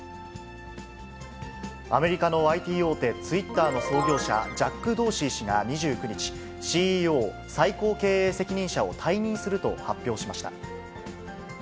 アメリカのＩＴ大手、ツイッターの創業者、ジャック・ドーシー氏が、２９日、ＣＥＯ・最高経営責任者を退任すると発表しました。